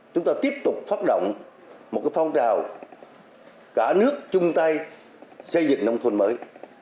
chúng ta tiếp tục phát động một phong trào cả nước chung tay xây dựng nông thôn mới